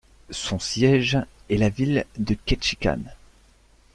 Son siège est la ville de Ketchikan.